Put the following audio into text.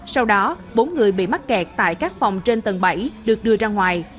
sau đó bốn người bị mắc kẹt tại các phòng trên tầng bảy được đưa ra ngoài